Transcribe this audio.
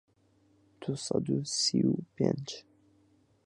دوو سەد و سی و پێنج